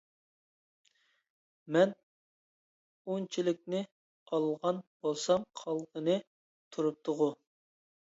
مەن ئۇنچىلىكنى ئالغان بولسام قالغىنى تۇرۇپتىغۇ!